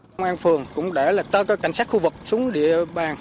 công an phường cũng để cảnh sát khu vực xuống địa bàn